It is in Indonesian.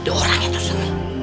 diorangnya tuh sini